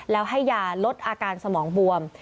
แล้วให้ยาลดอาการสมองบวม